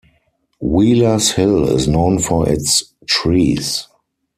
Wheelers Hill is known for its trees.